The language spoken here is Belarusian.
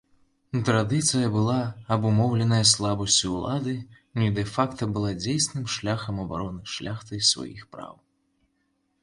Традыцыя была абумоўленая слабасцю ўлады і дэ-факта была дзейсным шляхам абароны шляхтай сваіх праў.